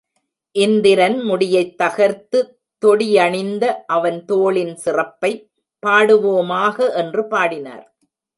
இந்திரன் முடியைத் தகர்த்து தொடி, யணிந்த அவன்தோளின் சிறப்பைப் பாடுவோமாக என்று பாடினார்.